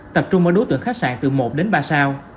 tập trung ở đối tượng khách sạn từ một đến ba sao